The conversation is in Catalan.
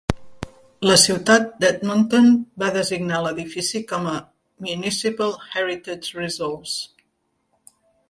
La ciutat d'Edmonton va designar l'edifici com a Municipal Heritage Resource.